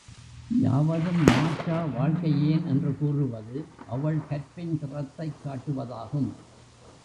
யாவதும் மாற்றா வாழ்க்கையேன் என்று கூறுவது அவள் கற்பின் திறத்தைக் காட்டுவதாகும்.